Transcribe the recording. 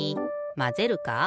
まぜるか？